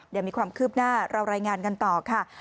เดี๋ยวมีความคืบหน้าเรารายงานกันต่อค่ะ